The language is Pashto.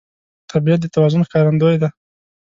طبیعت د توازن ښکارندوی دی.